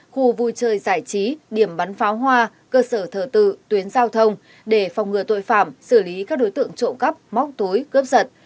khu vui chơi giải trí điểm bắn pháo hoa cơ sở thờ tự tuyến giao thông để phòng ngừa tội phạm xử lý các đối tượng trộm cắp móc túi cướp giật